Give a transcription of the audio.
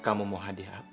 kamu mau hadiah apa